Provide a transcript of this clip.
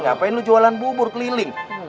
ngapain lu jualan bubur keliling